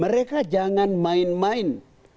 mereka jangan main main